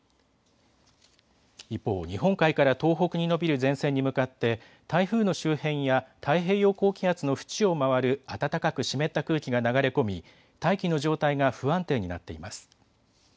一方、日本海から東北に延びる前線に向かって台風の周辺や太平洋高気圧の縁を回る暖かく湿った空気が流れ込み大気の状態が不安定になっています。